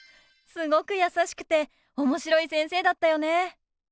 すごく優しくておもしろい先生だったよね。